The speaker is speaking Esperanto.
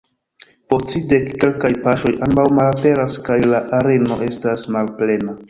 Post tridek-kelkaj paŝoj ambaŭ malaperas kaj la areno estas malplena.